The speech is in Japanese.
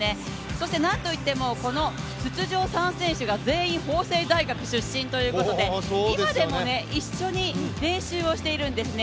そしてなんといっても、出場３選手が全員法政大学出身ということで今でも一緒に練習をしているんですね。